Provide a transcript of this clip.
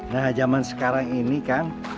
nah zaman sekarang ini kan